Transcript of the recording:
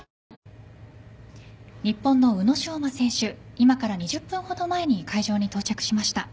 今から２０分ほど前に会場に到着しました。